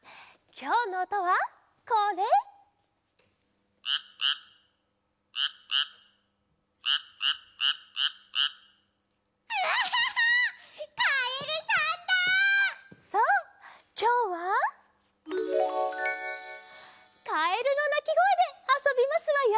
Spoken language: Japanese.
きょうはカエルのなきごえであそびますわよ。